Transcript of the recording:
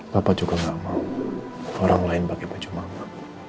bapak juga nggak mau orang lain pakai baju mama